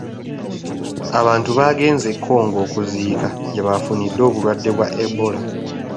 Abantu baagenze e Congo okuziika gye baafunidde obulwadde bwa ebola.